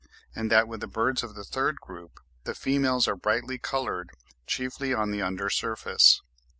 and that with the birds of the third group the females are brightly coloured chiefly on the under surface.